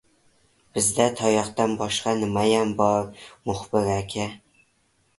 — Bizda tayoqdan boshqa nimayam bor, muxbir aka.